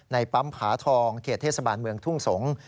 ปั๊มผาทองเขตเทศบาลเมืองทุ่งสงศ์